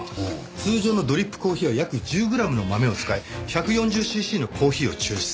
通常のドリップコーヒーは約１０グラムの豆を使い１４０シーシーのコーヒーを抽出する。